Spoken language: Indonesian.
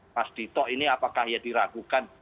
mas dito ini apakah ya diragukan